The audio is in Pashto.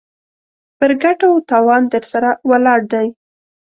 پر ګټه و تاوان درسره ولاړ دی.